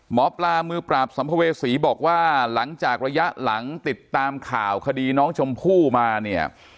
หมอปลามือปราบสัมภเวษีบอกว่าหลังจากระยะหลังติดตามข่าวคดีน้องชมพู่มาเนี่ย